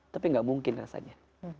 tapi tidak mungkin rasanya